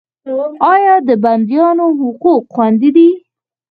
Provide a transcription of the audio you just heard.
آیا د بندیانو حقوق خوندي دي؟